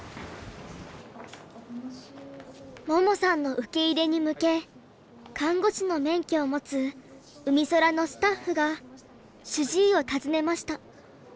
桃さんの受け入れに向け看護師の免許を持つうみそらのスタッフが主治医を訪ねました。